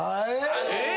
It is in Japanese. えっ！？